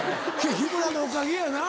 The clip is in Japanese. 日村のおかげやな。